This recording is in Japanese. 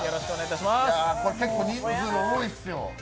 結構人数多いッスよ。